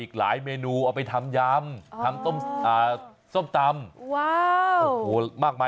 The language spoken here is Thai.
อีกหลายเมนูเอาไปทำยำทำต้มตำ